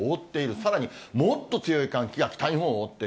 さらにもっと強い寒気が北日本を覆っている。